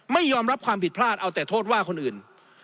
ไม่ยอมรับความผิดพลาดเอาแต่โทษว่าคนอื่น